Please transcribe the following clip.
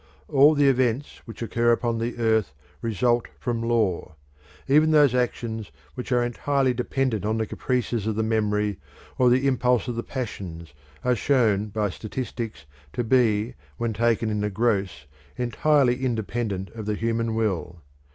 All the events which occur upon the earth result from law: even those actions which are entirely dependent on the caprices of the memory or the impulse of the passions are shown by statistics to be, when taken in the gross entirely independent of the human will.